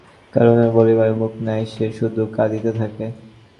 করুণার কিছু বলিবার মুখ নাই, সে শুধু কাঁদিতে থাকে।